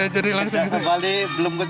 jangan eva dan aina mary